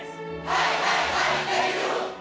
・はいはいはい。